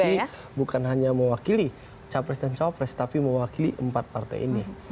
visi dan misi bukan hanya mewakili capres dan capres tapi mewakili empat partai ini